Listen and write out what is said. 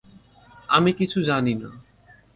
আমি কিছু জানি না।